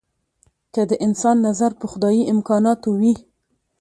که د انسان نظر په خدايي امکاناتو وي.